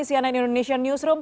sianan indonesian newsroom